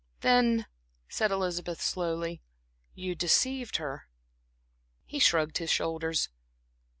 "Then," said Elizabeth, slowly "you deceived her." He shrugged his shoulders.